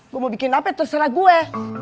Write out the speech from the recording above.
gue mau bikin apa terserah gue